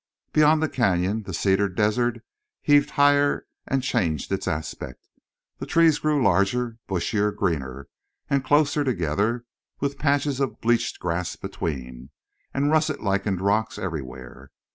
Beyond the canyon the cedared desert heaved higher and changed its aspect. The trees grew larger, bushier, greener, and closer together, with patches of bleached grass between, and russet lichened rocks everywhere.